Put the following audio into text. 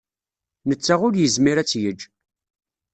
Netta ur yezmir ad tt-yejj.